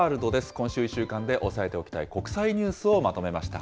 今週１週間で押さえておきたい国際ニュースをまとめました。